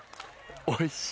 おいしい。